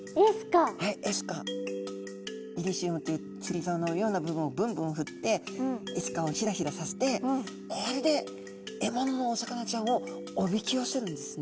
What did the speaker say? イリシウムというつりざおのような部分をぶんぶんふってエスカをひらひらさせてこれで獲物のお魚ちゃんをおびき寄せるんですね。